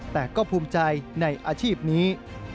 แต่ก็ภูมิใจในอาชีพนี้